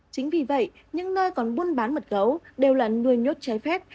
chính vì vậy những nơi còn buôn bán mật gấu đều là nuôi nhốt trái phép